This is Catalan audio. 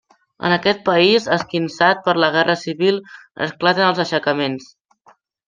En aquest país, esquinçat per la guerra civil, esclaten els aixecaments.